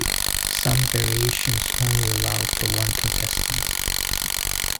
Some variations only allow for one contestant.